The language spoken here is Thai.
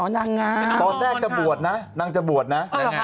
ตอนแรกจะบวชนะนางจะบวชนะ